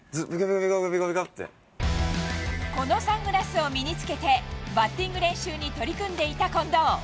このサングラスを身につけて、バッティング練習に取り組んでいた近藤。